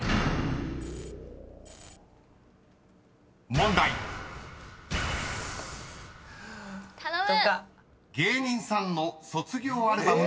［問題］頼む！